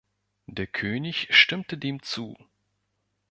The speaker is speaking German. Der König stimmte dem zu.